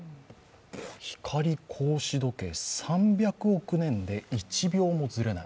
光格子時計、３００億年で１秒もずれない。